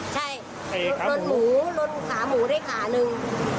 ใช่ลดหมูลนขาหมูได้ขาหนึ่ง